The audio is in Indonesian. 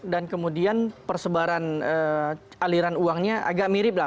dan kemudian persebaran aliran uangnya agak mirip lah